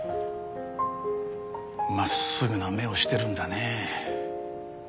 真っすぐな目をしてるんだねえ。